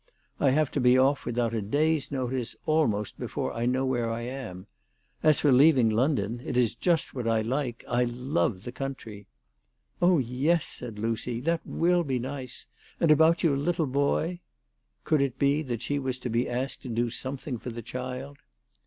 I have to be off without a day's notice, almost before I know where I am. As for leaving London, it is just what I like. I love the country." " Oh, yes," said Lucy, " that will be nice; and about your little boy ?" Could it be that she was to be asked to do something for the child